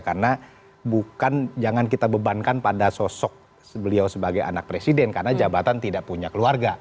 karena bukan jangan kita bebankan pada sosok beliau sebagai anak presiden karena jabatan tidak punya keluarga